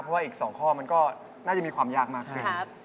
เพราะว่าอีก๒ข้อมันก็น่าจะมีความยากมากขึ้น